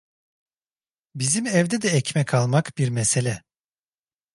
Bizim evde de ekmek almak bir mesele.